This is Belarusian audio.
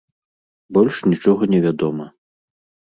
Больш нічога не вядома.